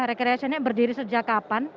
recreation nya berdiri sejak kapan